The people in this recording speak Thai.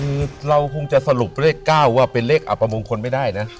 คือเราคงจะสรุปเลข๙ว่าเป็นเลขอับประมงคลไม่ได้นะ